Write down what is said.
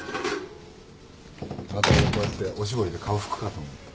またこうやっておしぼりで顔ふくかと思った。